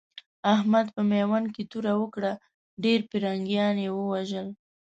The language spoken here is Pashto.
احمد په ميوند کې توره وکړه؛ ډېر پرنګيان يې ووژل.